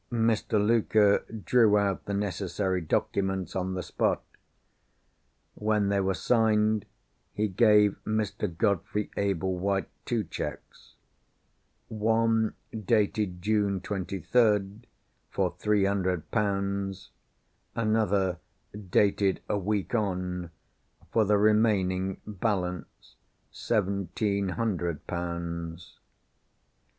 Mr. Luker drew out the necessary documents on the spot. When they were signed, he gave Mr. Godfrey Ablewhite two cheques. One, dated June 23rd, for three hundred pounds. Another, dated a week on, for the remaining balance seventeen hundred pounds.